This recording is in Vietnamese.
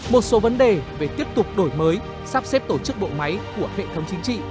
một số vấn đề về tiếp tục đổi mới sắp xếp tổ chức bộ máy của hệ thống chính trị